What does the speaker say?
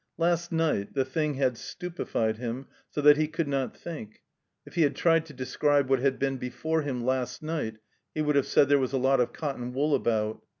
Last night the thing had stupefied him so that he cotild not think. If he had tried to describe what had been before him last night, he would have said there was a lot of cotton wool about.